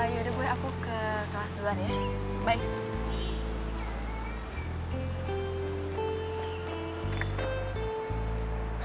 yaudah boy aku ke kelas duluan ya